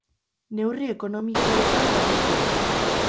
Neurri ekonomikoetan batez ere.